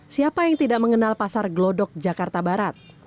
siapa yang tidak mengenal pasar gelodok jakarta barat